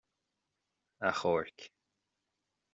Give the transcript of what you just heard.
Achomhairc.